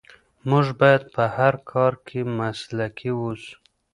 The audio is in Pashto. موږ باید په هر کار کې مسلکي واوسو.